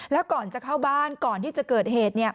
แล้วก่อนจะเข้าบ้านก่อนที่จะเกิดเหตุ